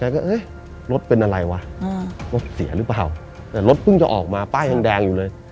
ก็เอ๊ะรถเป็นอะไรวะรถเสียหรือเปล่าแต่รถเพิ่งจะออกมาป้ายแดงอยู่เลย